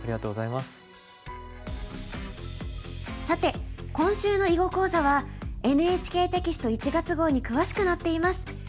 さて今週の囲碁講座はＮＨＫテキスト１月号に詳しく載っています。